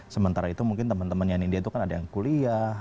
sementara itu mungkin teman teman nyanyi india itu kan ada yang kuliah